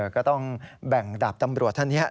ก็ต้องแบ่งดาบตำรวจท่านนี้